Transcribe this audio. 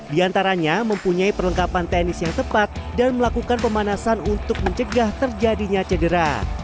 di antaranya mempunyai perlengkapan tenis yang tepat dan melakukan pemanasan untuk mencegah terjadinya cedera